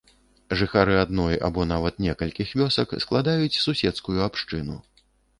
Жыхары адной або нават некалькіх вёсак складаюць суседскую абшчыну.